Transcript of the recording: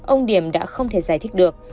ông điểm đã không thể giải thích được